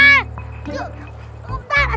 tunggu tunggu bentar